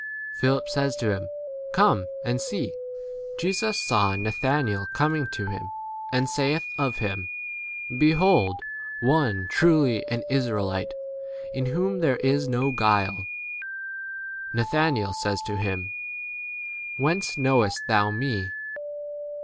Philip says to him, Come 4 ? and see. Jesus saw Nathanael coming to him, and saith of him, Behold [one] truly an Israelite, in 43 whom there is no guile. Na thanael says to him, Whence knowest thou me